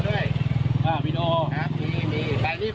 อ๋อแล้วป้ายบอกทางก่อนถึง